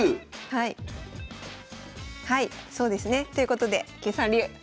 はいはいそうですね。ということで９三竜。